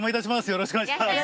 よろしくお願いします